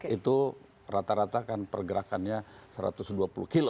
itu rata rata kan pergerakannya satu ratus dua puluh kg